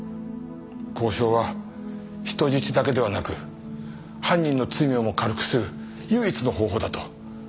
交渉は人質だけではなく犯人の罪をも軽くする唯一の方法だと。